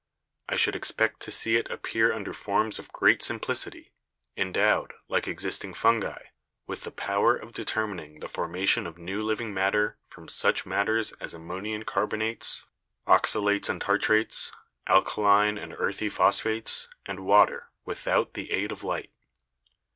I should expect to see it appear under forms of great sim plicity, endowed, like existing fungi, with the power of determining the formation of new living matter from such matters as ammonium carbonates, oxalates and tartrates, alkaline and earthy phosphates, and water, without the aid of light.